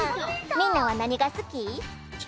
みんなはなにがすき？